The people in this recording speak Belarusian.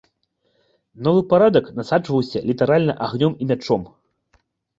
Новы парадак насаджваўся літаральна агнём і мячом.